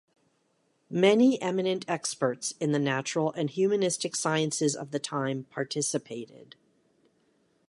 Many eminent experts in the natural and humanistic sciences of the time participated.